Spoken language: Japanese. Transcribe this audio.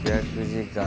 １，８００時間。